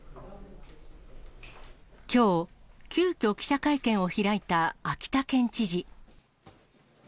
きょう、急きょ、記者会見を開いた秋田県知事。